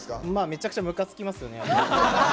めちゃくちゃむかつきますよね。